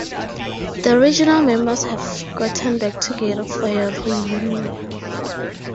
The original members have gotten back together for a reunion.